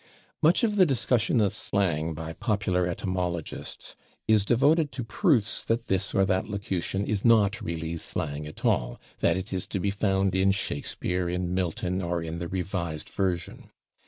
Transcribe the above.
Much of the discussion of slang by popular etymologists is devoted to proofs that this or that locution is not really slang at all that it is to be found in Shakespeare, in Milton, or in the Revised Version.